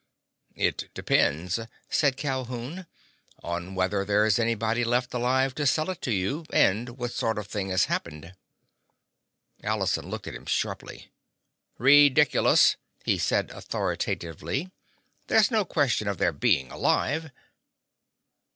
"It depends," said Calhoun, "on whether there's anybody left alive to sell it to you, and what sort of thing has happened." Allison looked at him sharply. "Ridiculous!" he said authoritatively. "There's no question of their being alive!"